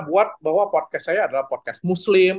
buat bahwa podcast saya adalah podcast muslim